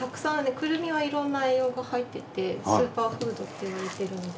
クルミはいろんな栄養が入っててスーパーフードっていわれてるので。